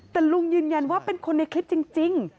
แต่ลุงยืนยันว่าเป็นคนในคลิปจริง